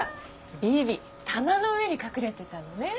ビビ棚の上に隠れてたのね。